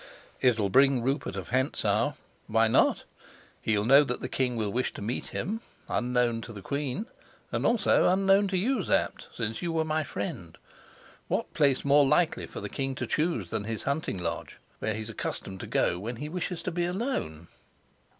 "It'll bring Rupert to Hentzau. Why not? He'll know that the king will wish to meet him unknown to the queen, and also unknown to you, Sapt, since you were my friend: what place more likely for the king to choose than his hunting lodge, where he is accustomed to go when he wishes to be alone?